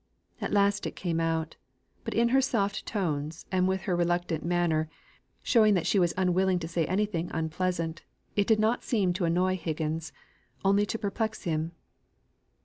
At last out it came. But in her soft tones, and with her reluctant manner, shewing that she was unwilling to say anything unpleasant, it did not seem to annoy Higgins, only to perplex him.